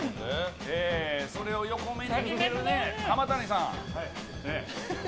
それを横目で見てる浜谷さん。